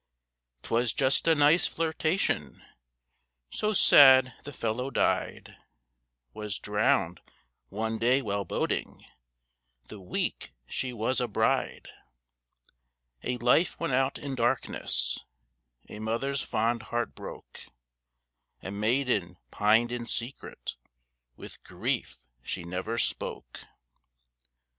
'Twas just a nice flirtation. 'So sad the fellow died. Was drowned one day while boating, The week she was a bride.' A life went out in darkness, A mother's fond heart broke, A maiden pined in secret With grief she never spoke.